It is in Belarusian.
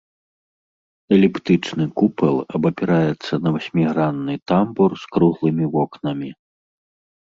Эліптычны купал абапіраецца на васьмігранны тамбур з круглымі вокнамі.